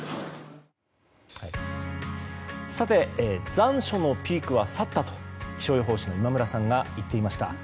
残暑のピークは去ったと気象予報士の今村さんが言っていました。